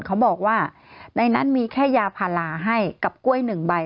เขาบอกว่าในนั้นมีแค่ยาพาราให้กับกล้วยหนึ่งใบ